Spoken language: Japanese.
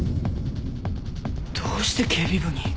どうして警備部に？